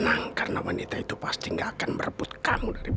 agar kita bisa disalahkan dari agar keruck obligasi